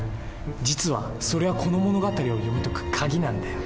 実はそれはこの物語を読み解く鍵なんだよ。